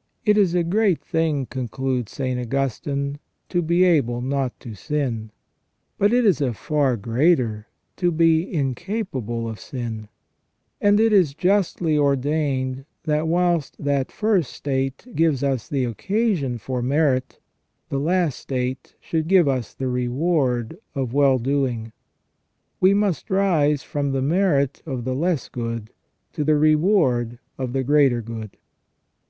" It is a great thing," concludes St. Augustine, " to be able not to sin, but it is a far greater to be incapable of sin ; and it is justly ordained that whilst that first state gives us the occasion for merit, the last state should give us the reward of well doing. ... We must rise from the merit of the less good to the reward of the greater good."